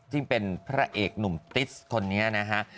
ซึ่งเป็นพระเอกหนุ่มติสคนนี้นะฮะ